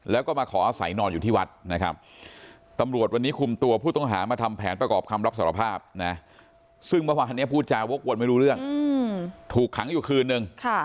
แล้วก็มาขออาศัยนอนอยู่ที่วัดนะครับตำรวจวันนี้คุมตัวผู้ต้องหามาทำแผนประกอบคำรับสารภาพนะซึ่งเมื่อวานนี้พูดจาวกวนไม่รู้เรื่องถูกขังอยู่คืนนึง